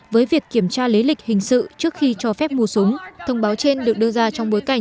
với việc kiểm tra lý lịch hình sự trước khi cho phép mua súng